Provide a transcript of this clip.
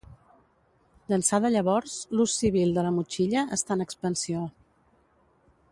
D'ençà de llavors, l'ús civil de la motxilla està en expansió.